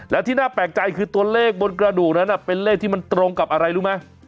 และที่น่าแปลกใจคือตัวเลขบนกระดูกนั้นเป็นเลขที่มันตรงกับอะไรรู้ไหม